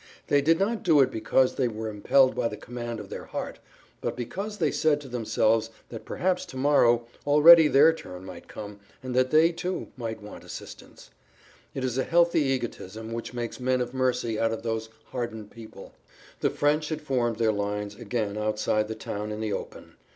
They did not do it because they were impelled by the command of their heart, but because they said to themselves that perhaps to morrow already their turn might come and that they, too, might want assistance. It is a healthy egotism which makes men of mercy out of those hardened people. The French had formed their lines again outside the town in the open.